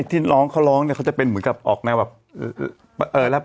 ที่น้องเขาร้องเนี่ยเขาจะเป็นเหมือนกับออกแนวแบบ